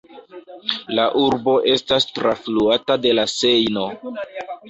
La urbo estas trafluata de la Sejno.